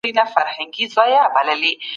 د قومي مشرانو سره یې چېرته غونډې کولي؟